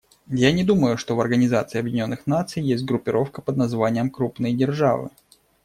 Я не думаю, что в Организации Объединенных Наций есть группировка под названием "крупные державы".